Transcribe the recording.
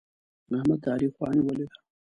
احمد د علي خوا نيولې ده.